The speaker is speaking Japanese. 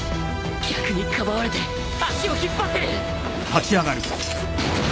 逆にかばわれて足を引っ張ってる！